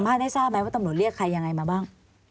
ได้ทราบไหมว่าตำรวจเรียกใครยังไงมาบ้าง